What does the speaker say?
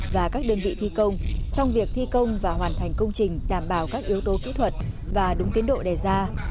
và các đơn vị thi công trong việc thi công và hoàn thành công trình đảm bảo các yếu tố kỹ thuật và đúng tiến độ đề ra